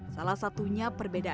salah satunya perbedaan karya